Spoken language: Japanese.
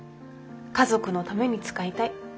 家族のために使いたい。